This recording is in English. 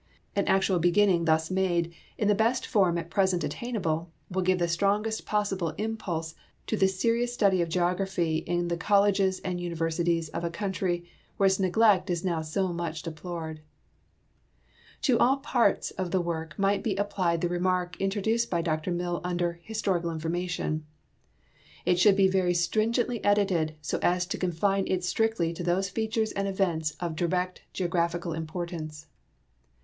An actual be ginning thus made, in the best form at present attainable, will give the strongest possible ini[)ulse to the serious study of geog 210 GEOGRAPHIC DESCRIPTION OF THE BRITISH ISLANDS raphy in the colleges and universities of a country where its neglect is now so much deplored. To all parts of the work might be applied the remark intro duced by Dr Mill under " historical information." It should be " very stringently edited, so as to confine it strictly to those features and events of direct geographical importance."